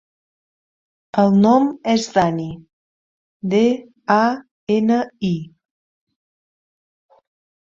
El nom és Dani: de, a, ena, i.